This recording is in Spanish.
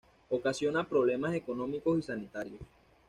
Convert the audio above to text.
Ocasiona problemas económicos y sanitarios.